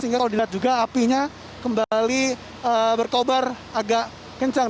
sehingga kalau dilihat juga apinya kembali berkobar agak kencang